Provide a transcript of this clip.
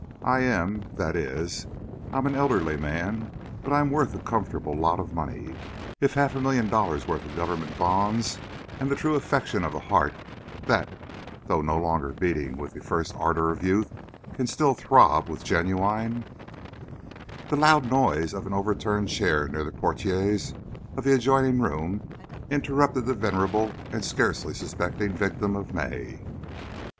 I'm an—that is, I'm an elderly man—but I'm worth a comfortable lot of money. If half a million dollars' worth of Government bonds and the true affection of a heart that, though no longer beating with the first ardour of youth, can still throb with genuine—" The loud noise of an overturned chair near the portières of the adjoining room interrupted the venerable and scarcely suspecting victim of May.